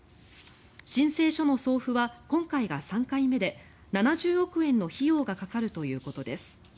申請書の送付は今回が３回目で７０億円の費用がかかるということです。